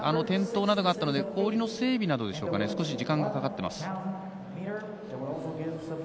転倒などがあったので氷の整備などでしょうか時間がかかっています。